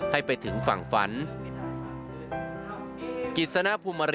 ให้ไปถึงฝั่งฝัน